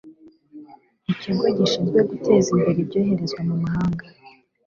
ikigo gishinzwe guteza imbere ibyoherezwa mu mahanga